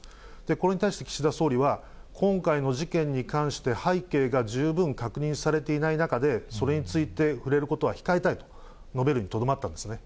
これに対して、岸田総理は、今回の事件に関して背景が十分確認されていない中で、それについて触れることは控えたいと述べるにとどまったんですね。